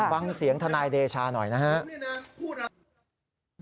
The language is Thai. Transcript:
ฟังเสียงทนายเดชาหน่อยนะครับ